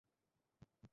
তুই ব্যর্থ না।